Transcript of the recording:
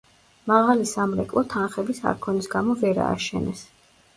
მაღალი სამრეკლო თანხების არქონის გამო ვერ ააშენეს.